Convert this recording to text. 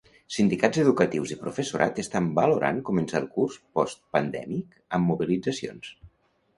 Sindicats educatius i professorat estan valorant començar el curs postpandèmic amb mobilitzacions.